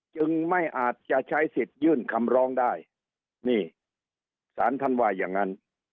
จึงไม่อาจจะใช้สิทธิ์ยื่นคำร้องได้นี่สารท่านว่าอย่างนั้น